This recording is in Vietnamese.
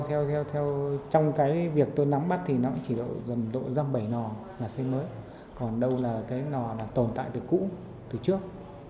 từ hai nghìn một mươi ba thì theo trong cái việc tôi nắm bắt thì nó chỉ gần đội gian bảy lò là xây mới còn đâu là cái lò tồn tại từ cũ từ trước